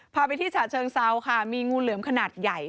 พาไปที่ฉะเชิงเซาค่ะมีงูเหลือมขนาดใหญ่